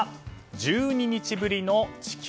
１２日ぶりの地球。